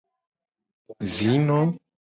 Zino.